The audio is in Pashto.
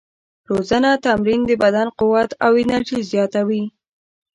روزانه تمرین د بدن قوت او انرژي زیاتوي.